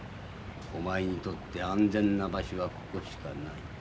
お前にとって安全な場所はここしかない。